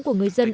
của người dân